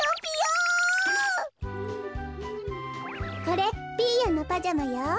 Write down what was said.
これピーヨンのパジャマよ。